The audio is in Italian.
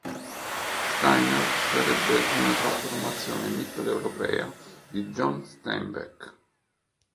Steiner sarebbe una trasformazione mitteleuropea di John Steinbeck.